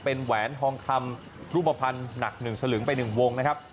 เป็นแหวนทองคำรูปภัณฑ์หนัก๑สลึงไป๑วงนะครับ